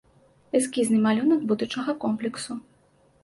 Эскізны малюнак будучага комплексу.